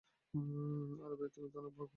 আরে ভাইয়া, তুমিতো অনেক ভাগ্যবান।